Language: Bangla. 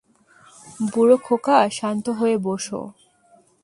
বুড়ো খোকা, শান্ত হয়ে বস!